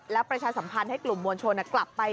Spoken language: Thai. แล้วประชาสัมพันธ์ให้กลุ่มมวลชนกลับไป